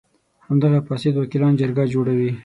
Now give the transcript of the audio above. همدغه فاسد وکیلان جرګه جوړوي.